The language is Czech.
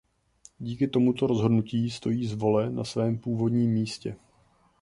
Díky tomuto rozhodnutí stojí Zvole na svém původním místě.